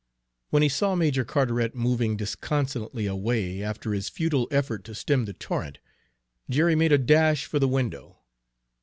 When he saw Major Carteret moving disconsolately away after his futile effort to stem the torrent, Jerry made a dash for the window.